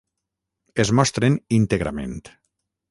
Es mostren íntegrament.